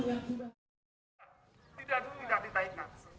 tidak dulu tidak ditaikan